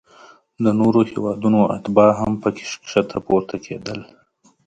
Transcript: د نورو هیوادونو اتباع هم پکې ښکته پورته کیدل.